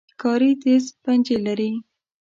ښکاري تیز پنجې لري.